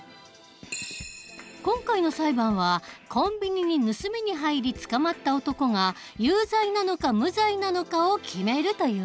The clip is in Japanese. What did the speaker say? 今回の裁判はコンビニに盗みに入り捕まった男が有罪なのか無罪なのかを決めるというものだ。